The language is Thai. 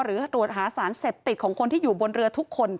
หรือตรวจหาสารเสพติดของคนที่อยู่บนเรือทุกคน